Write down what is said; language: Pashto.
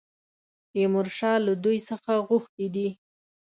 تیمورشاه له دوی څخه غوښتي دي.